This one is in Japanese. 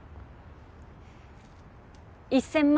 １，０００万